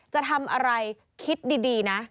จะทำอะไรคิดดีนะ